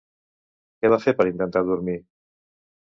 Què va fer per intentar dormir?